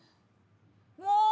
もう！